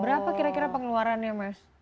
berapa kira kira pengeluarannya mas